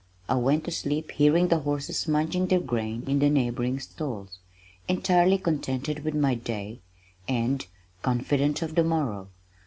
I went to sleep hearing the horses munching their grain in the neighboring stalls, entirely contented with my day and confident of the morrow.